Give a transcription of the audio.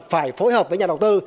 phải phối hợp với nhà đầu tư